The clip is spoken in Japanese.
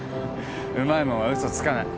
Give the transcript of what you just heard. うまいもんは嘘つかない